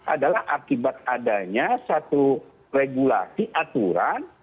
adalah akibat adanya satu regulasi aturan